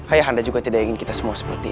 ayahanda juga tidak ingin kita semua seperti ini